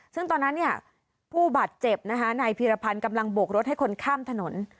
ซึ่งตอนนั้นเนี่ยผู้บาดเจ็บนะคะนายพีรพันธ์กำลังโบกรถให้คนข้ามถนน